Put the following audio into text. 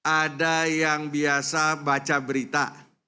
ada yang biasa baca berita